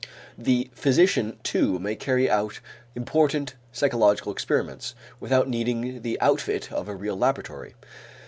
The physician too may carry out important psychological experiments, without needing the outfit of a real laboratory.